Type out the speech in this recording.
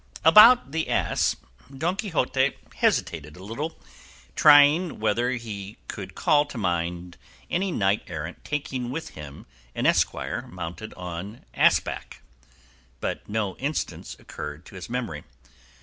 About the ass, Don Quixote hesitated a little, trying whether he could call to mind any knight errant taking with him an esquire mounted on ass back, but no instance occurred to his memory.